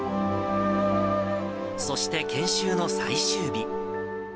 そして研修の最終日。